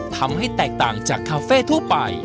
ทำให้แตกต่างจากคาเฟ่ทั่วไป